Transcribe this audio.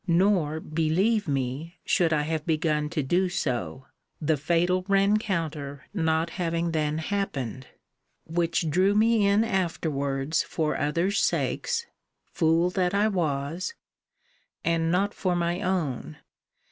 Nor, believe me, should I have begun to do so the fatal rencounter not having then happened; which drew me in afterwards for others' sakes (fool that I was!) and not for my own.